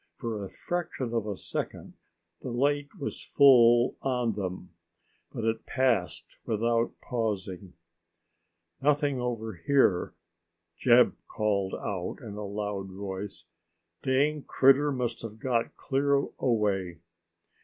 For a fraction of a second the light was full on them. But it passed by without pausing. "Nothing over here!" Jeb called out in a loud voice. "Dang critter must have got clear away."